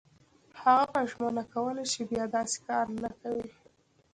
هغه به ژمنه کوله چې بیا داسې کار نه کوي.